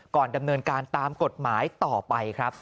ดำเนินการตามกฎหมายต่อไปครับ